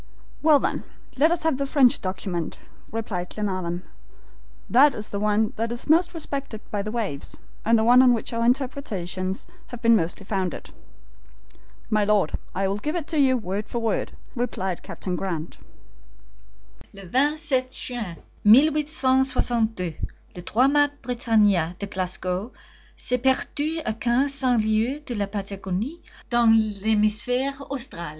"Well, then, let us have the French document," replied Glenarvan. "That is the one that is most respected by the waves, and the one on which our interpretations have been mostly founded." "My Lord, I will give it you word for word," replied Harry Grant. "LE 27 JUIN, 1862, _le trois mats Britannia, de Glasgow, s'est perdu a quinze cents lieues de la Patagonie, dans l'hemisphere austral.